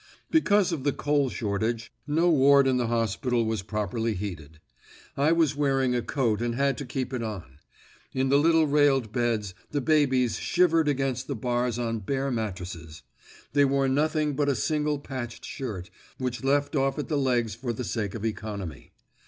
Because of the coal shortage, no ward in the hospital was properly heated. I was wearing a coat and had to keep it on. In the little railed beds, the babies shivered against the bars on bare mattresses. They wore nothing but a single patched shirt, which left off at the legs for the sake of economy.